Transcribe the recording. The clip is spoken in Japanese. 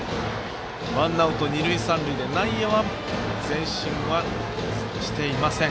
ワンアウト、二塁三塁で内野は前進していません。